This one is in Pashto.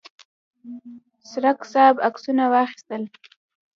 څرک صاحب عکسونه واخیستل.